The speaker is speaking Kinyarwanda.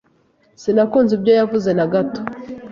Sinakunze ibyo yavuze na gato.